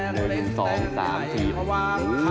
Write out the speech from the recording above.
หนึ่งสองสามถีม